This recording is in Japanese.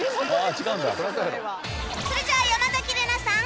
それじゃあ山崎怜奈さん